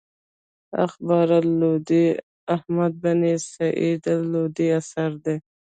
اخبار اللودي احمد بن سعيد الودي اثر دﺉ.